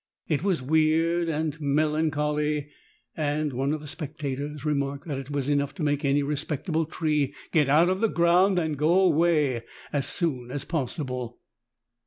It was weird and mel a n c h o 1 y and one of the s ta t o r marked that it was enough to make any respect able tree get out of the ground and go away as soon as possible.